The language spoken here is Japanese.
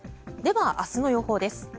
では、明日の予報です。